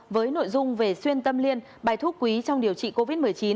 với nội dung về xuyên tâm liên bài thuốc quý trong điều trị covid một mươi chín